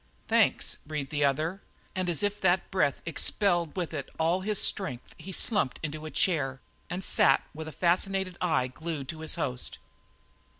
"Thanks!" breathed the other and as if that breath expelled with it all his strength he slumped into a chair and sat with a fascinated eye glued to his host.